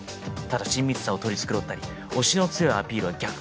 ただ親密さを取り繕ったり押しの強いアピールは逆効果。